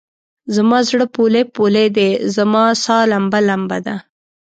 زما زړه پولۍ پولی دی، زما سا لمبه لمبه ده